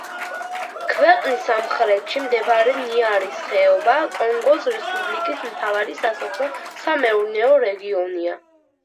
ქვეყნის სამხრეთში მდებარე ნიარის ხეობა კონგოს რესპუბლიკის მთავარი სასოფლო-სამეურნეო რეგიონია.